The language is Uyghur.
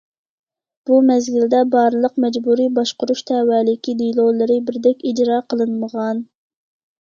بۇ مەزگىلدە، بارلىق مەجبۇرىي باشقۇرۇش تەۋەلىكى دېلولىرى بىردەك ئىجرا قىلىنمىغان.